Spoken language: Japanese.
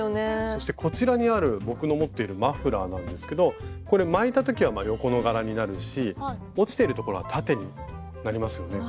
そしてこちらにある僕の持っているマフラーなんですけどこれ巻いた時は横の柄になるし落ちてるところは縦になりますよね。